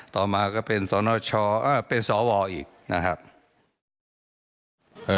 ต่อมาก็เป็นสอวออีกนะครับ